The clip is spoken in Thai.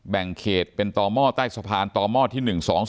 แบ่งเขตเป็นต่อหม้อใต้สะพานต่อหม้อที่๑๒๒